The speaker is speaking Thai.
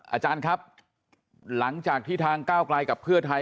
อาจารย์ครับหลังจากที่ทางก้าวไกลกับเพื่อไทย